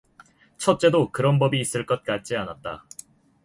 첫째도 그런 법이 있을 것 같지 않았다.